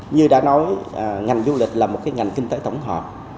như đã nói ngành du lịch là một ngành kinh tế tổng hợp